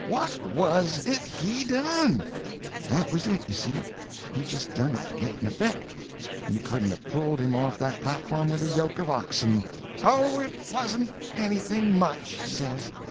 What was it he done?" That was it, you see—he just done it to get an "effect"; you couldn't 'a' pulled him off of that platform with a yoke of oxen. "Oh, it wasn't anything much," he says.